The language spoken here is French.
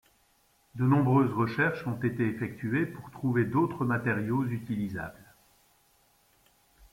De nombreuses recherches ont été effectuées pour trouver d'autres matériaux utilisables.